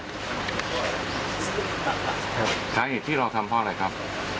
สาเหตุที่เราทำเพราะอะไรครับ